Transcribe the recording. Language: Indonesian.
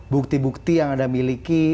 bukti bukti yang anda miliki